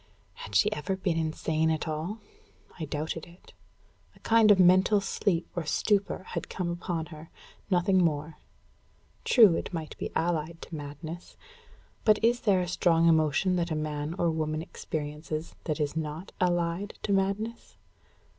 Had she ever been insane at all? I doubted it. A kind of mental sleep or stupor had come upon her nothing more. True it might be allied to madness; but is there a strong emotion that man or woman experiences that is not allied to madness?